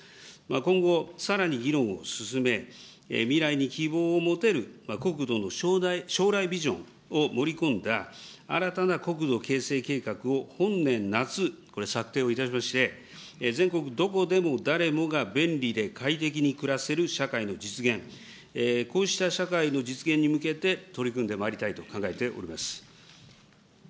今後、さらに議論を進め、未来に希望を持てる国土の将来ビジョンを盛り込んだ新たな国土形成計画を、本年夏、これ策定をいたしまして、全国どこでも誰もが便利で快適に暮らせる社会の実現、こうした社会の実現に向けて取り組んでまいりたいと考えております。